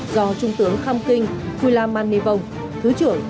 do trung tướng khăm kinh quy lam man nhi vông thứ trưởng